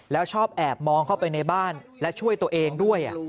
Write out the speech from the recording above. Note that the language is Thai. แล้วชอบแอบมองเข้าไปในบ้านและช่วยตัวเองด้วย